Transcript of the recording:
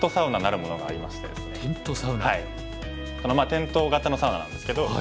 テント型のサウナなんですけど。